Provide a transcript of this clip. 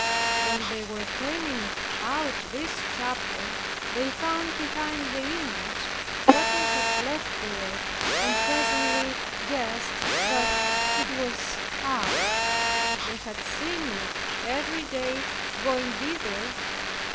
When they were cleaning out this chapel, they found behind the image what I had left there and presently guessed that it was I. They had seen me every day going thither.